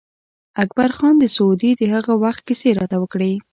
اکبر خان د سعودي د هغه وخت کیسې راته وکړې.